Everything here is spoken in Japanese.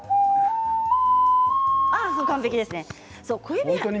完璧ですね。